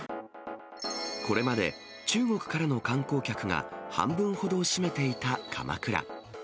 これまで、中国からの観光客が半分ほどを占めていた鎌倉。